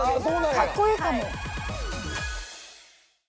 かっこいいかも。